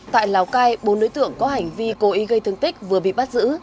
tại lào cai bốn đối tượng có hành vi cố ý gây thương tích vừa bị bắt giữ